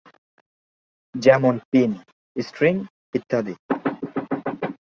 যেমন pin, string ইত্যাদি।